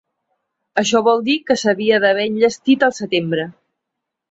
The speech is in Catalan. Això vol dir que s’havia d’haver enllestit al setembre.